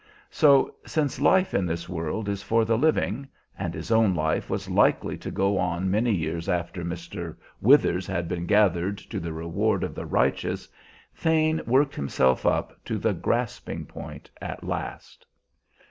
So, since life in this world is for the living, and his own life was likely to go on many years after Mr. Withers had been gathered to the reward of the righteous, Thane worked himself up to the grasping point at last.